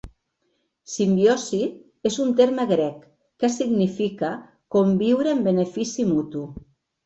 "Simbiosi" és un terme grec que significa "conviure en benefici mutu".